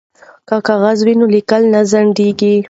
که کاغذ وي نو لیکل نه ځنډیږي.